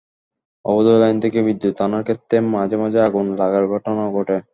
অবৈধ লাইন থেকে বিদ্যুৎ আনার ক্ষেত্রে মাঝে মাঝে আগুন লাগার ঘটনাও ঘটে।